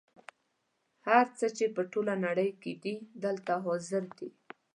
هر څه چې په ټوله نړۍ کې دي دلته حاضر دي.